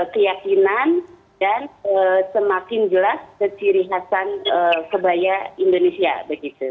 keyakinan dan semakin jelas keciri khasan kebaya indonesia begitu